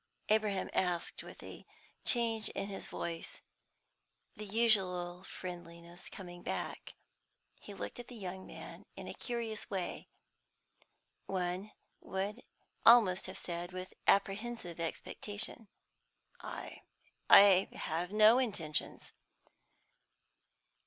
Abraham asked, with a change in his voice, the usual friendliness coming back. He looked at the young man in a curious way; one would almost have said, with apprehensive expectation. "I have no intentions."